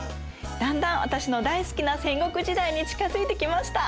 だんだん私の大好きな戦国時代に近づいてきました！